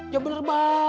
ya bener baik